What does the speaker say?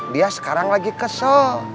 dia sekarang lagi kesel